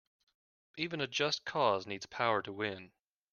Even a just cause needs power to win.